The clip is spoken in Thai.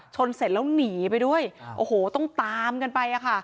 เสร็จแล้วหนีไปด้วยโอ้โหต้องตามกันไปอะค่ะ